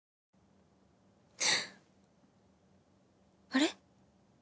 あれ？